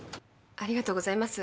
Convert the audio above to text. ありがとうございます。